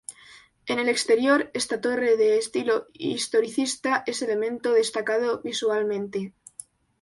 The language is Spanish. En el exterior esta torre de estilo historicista es elemento destacado visualmente.